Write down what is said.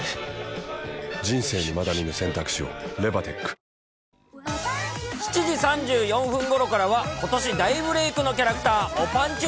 そんな日本代表、今週木曜、７時３４分ごろからは、ことし大ブレークのキャラクター、おぱんちゅ